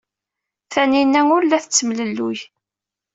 Tanina ur la tettemlelluy.